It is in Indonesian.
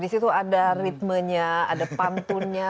di situ ada ritmenya ada pantunnya